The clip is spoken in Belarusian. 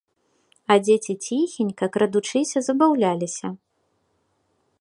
А дзеці ціхенька, крадучыся, забаўляліся.